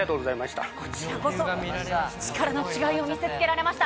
こちらこそ、力の違いを見せつけられました。